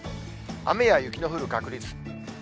雨や雪の降る確率。